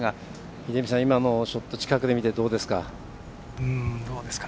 秀道さん、今のショット近くで見て、どうですか？